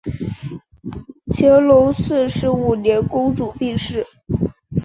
乾隆四十五年公主病逝。